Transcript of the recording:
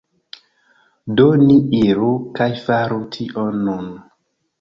Do, ni iru kaj faru tion nun